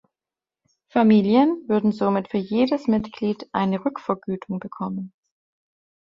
Familien würden somit für jedes Mitglied eine Rückvergütung bekommen.